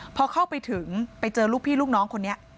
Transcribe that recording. พอเข้าไปถึงไปเจอลูกพี่ลูกน้องคนนี้